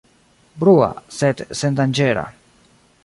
Brua, sed sendanĝera.